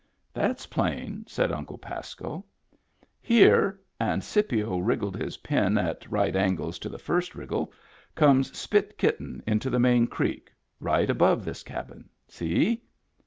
" That's plain," said Uncle Pasco. " Here," and Scipio wriggled his pen at right angles to the first wriggle, "comes Spit Kitten into the main creek — right above this cabin. See